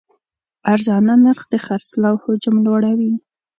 ارزانه نرخ د خرڅلاو حجم لوړوي.